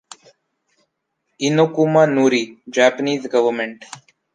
Inokuma Nori, Japanese government.